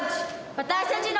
私たちの。